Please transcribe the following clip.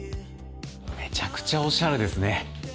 めちゃくちゃオシャレですね。